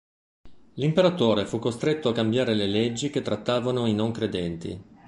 L'imperatore fu costretto a cambiare le leggi che trattavano i "non credenti".